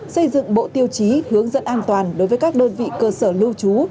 xây dựng bộ tiêu chí hướng dẫn an toàn đối với các đơn vị cơ sở lưu trú